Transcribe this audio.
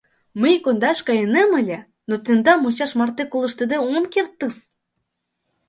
— Мый кондаш кайынем ыле, но тендам мучаш марте колыштде ом кертыс!